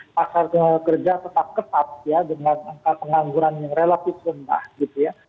pasar tenaga kerja tetap ketat ya dengan angka pengangguran yang relatif rendah gitu ya